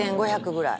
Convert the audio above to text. ぐらい。